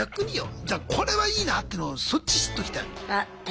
じゃあ「これはいいな」っていうのそっち知っときたい。